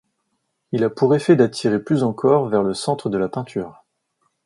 Il a pour effet d'attirer plus encore vers le centre de la peinture.